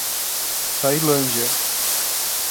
Tailândia